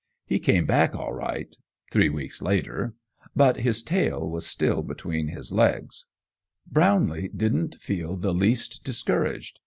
He came back all right, three weeks later, but his tail was still between his legs. [Illustration: 32] Brownlee didn't feel the least discouraged.